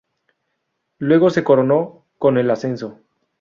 Luego se coronó con el ascenso.